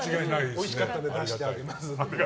おいしかったんで出してあげます。